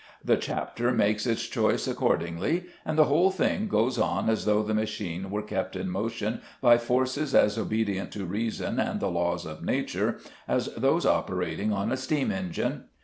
The chapter makes its choice accordingly, and the whole thing goes on as though the machine were kept in motion by forces as obedient to reason and the laws of nature as those operating on a steam engine.